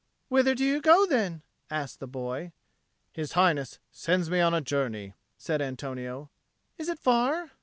"Whither do you go then?" asked the boy. "His Highness sends me on a journey," said Antonio. "Is it far?"